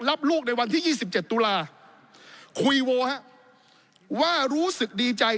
รับลูกในวันที่๒๗ตุลาคุยโวฮะว่ารู้สึกดีใจ